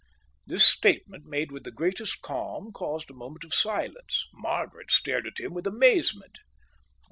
This statement, made with the greatest calm, caused a moment of silence. Margaret stared at him with amazement.